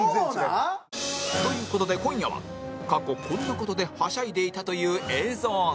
という事で今夜は過去こんな事でハシャいでいたという映像と